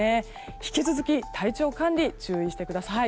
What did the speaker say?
引き続き、体調管理注意してください。